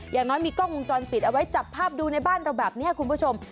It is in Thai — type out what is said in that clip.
อย่างน้อยมีกล้องวงจรปิดเอาไว้จับภาพดูในบ้านเราแบบนี้คุณผู้ชม